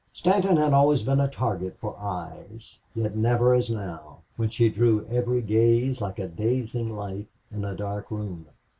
Stanton had always been a target for eyes, yet never as now, when she drew every gaze like a dazzling light in a dark room.